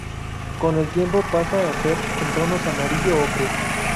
Con el tiempo pasa a ser en tonos amarillo-ocres.